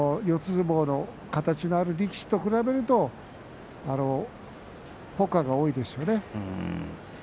相撲の形がある力士と比べるとポカが多いですよね。